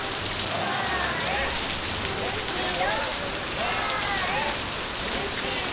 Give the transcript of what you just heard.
まえうしろ！